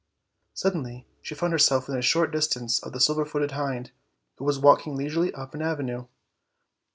Sud denly she found herself within a short distance of the silver footed hind, who was walking leisurely up an avenue.